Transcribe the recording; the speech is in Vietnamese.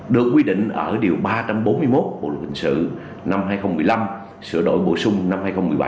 được quy định ở điều ba trăm bốn mươi một bộ luật hình sự năm hai nghìn một mươi năm sửa đổi bổ sung năm hai nghìn một mươi bảy